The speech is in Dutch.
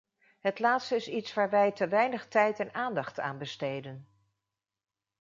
Het laatste is iets waar wij te weinig tijd en aandacht aan besteden.